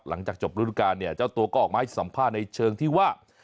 หลังจากจบฤดูการเนี่ยเจ้าตัวก็ออกมาให้สัมภาษณ์ในเชิงที่ว่า